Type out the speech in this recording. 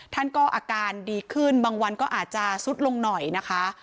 ท่านก็อาการดีขึ้นบางวันก็อาจจะซุดลงหน่อยนะคะ